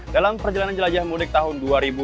dalam perjalanan jelajah mudik tahun dua ribu dua puluh